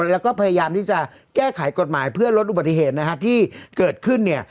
แล้วก็พยายามที่จะแก้ไขกฎหมายเพื่อลดอุบัติเหตุนะฮะที่เกิดขึ้นเนี่ย